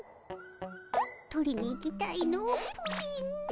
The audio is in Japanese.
取りに行きたいのプリン。